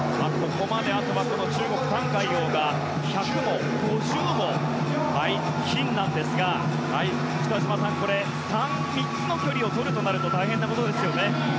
あとは中国、タン・カイヨウが１００も５０も金なんですが北島さん３つの距離をとるとなると大変なことですよね。